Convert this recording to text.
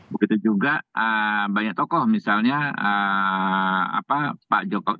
begitu juga banyak tokoh misalnya pak jokowi